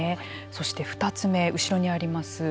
そして２つ目後ろにあります